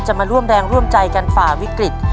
มาร่วมแรงร่วมใจกันฝ่าวิกฤต